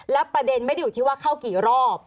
และประเด็นไม่ได้อยู่ที่ว่าเข้ากี่รอบ